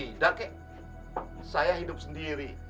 tidak kek saya hidup sendiri